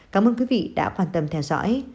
cảm ơn quý vị đã quan tâm theo dõi